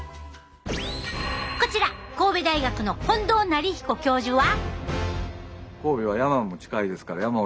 こちら神戸大学の近藤徳彦教授は？